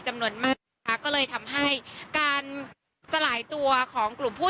จำนวนมากนะคะก็เลยทำให้การสลายตัวของกลุ่มผู้